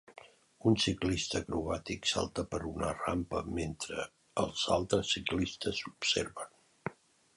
Un ciclista acrobàtic salta per una rampa mentre els altres ciclistes observen.